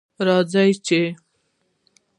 راځه چې